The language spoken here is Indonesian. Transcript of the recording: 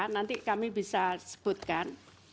nanti kami bisa sebutkan